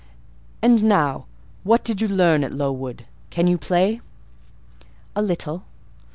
And now what did you learn at Lowood? Can you play?" "A little."